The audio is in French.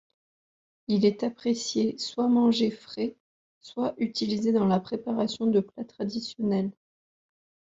Il est apprécié soit mangé frais, soit utilisé dans la préparation de plats traditionnels.